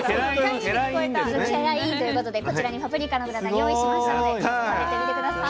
「けらいん」ということでこちらにパプリカのグラタン用意しましたので食べてみて下さい。